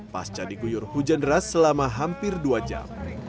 pasca diguyur hujan deras selama hampir dua jam